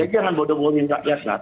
tapi jangan bodoh bodoh minta kias lah